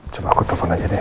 coba aku telfon aja deh